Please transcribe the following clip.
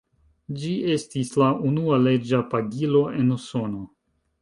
Ĝi estis la unua leĝa pagilo en Usono.